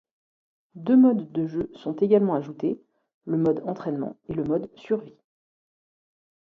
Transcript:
Deux modes de jeu sont également ajoutés, le mode entrainement et le mode survie.